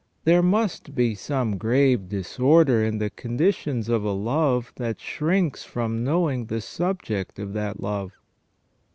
There must be some grave dis order in the conditions of a love that shrinks from knowing the subject of that love.